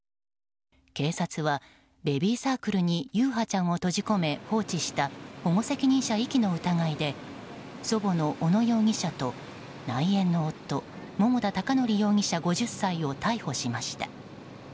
警察は、ベビーサークルに優陽ちゃんを閉じ込め放置した保護責任者遺棄の疑いで祖母の小野容疑者と内縁の夫桃田貴徳容疑者、５０歳を逮捕しました。